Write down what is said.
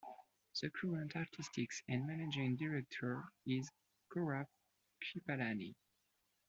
The current Artistic and Managing Director is Gaurav Kripalani.